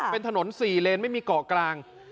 เป็นถนน๔เลนไม่มีเกาะกลาง